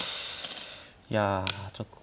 いやちょっと。